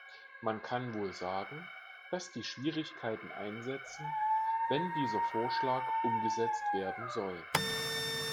Man kann wohl sagen, dass die Schwierigkeiten einsetzen, wenn dieser Vorschlag umgesetzt werden soll.